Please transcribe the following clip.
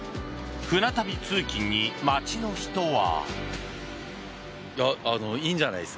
舟旅通勤に街の人は。